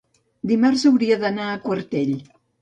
Dimarts hauria d'anar a Quartell.